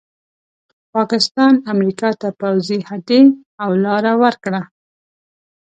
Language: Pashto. پاکستان امریکا ته پوځي هډې او لاره ورکړه.